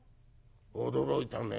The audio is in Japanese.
驚いたね。